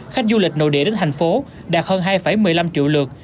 khách du lịch nội địa đến thành phố đạt hơn hai một mươi năm triệu lượt